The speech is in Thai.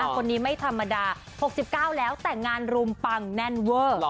คนนี้ไม่ธรรมดา๖๙แล้วแต่งงานรุมปังแน่นเวอร์